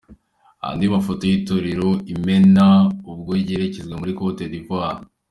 Andi mafoto y'Itorero Imena ubwo ryerekezaga muri Côte d'Ivoire.